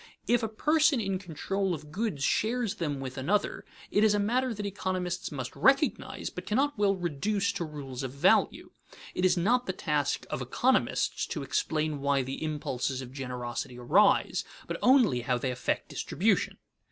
If a person in control of goods shares them with another, it is a matter that economists must recognize, but cannot well reduce to rules of value. It is not the task of economists to explain why the impulses of generosity arise, but only how they affect distribution.